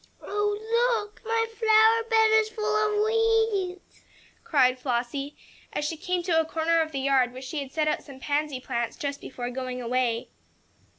"Oh, look! My flower bed is full of weeds!" cried Flossie, as she came to a corner of the yard where she had set out some pansy plants just before going away.